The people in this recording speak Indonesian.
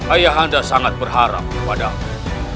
ayah anda sangat berharap kepadamu